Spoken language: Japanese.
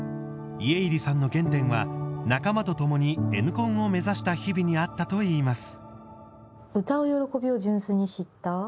家入さんの原点は仲間とともに「Ｎコン」を目指した日々にあったといいます。